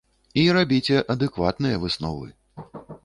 І рабіце адэкватныя высновы!